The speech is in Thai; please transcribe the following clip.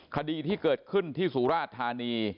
คดีที่เกิดขึ้นที่สุราชธานี